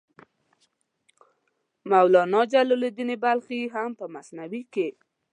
مولانا جلال الدین بلخي هم په مثنوي کې.